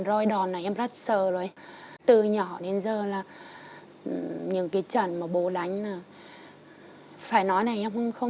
rơi đòn là em rất sợ rồi từ nhỏ đến giờ là những cái trận mà bố đánh là phải nói này không không